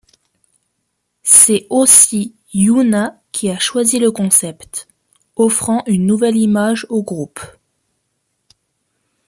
C’est aussi Hyuna qui a choisi le concept, offrant une nouvelle image au groupe.